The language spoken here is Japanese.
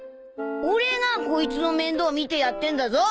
俺がこいつの面倒見てやってんだぞ。